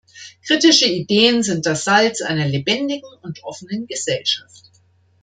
Kritische Ideen sind das Salz einer lebendigen und offenen Gesellschaft.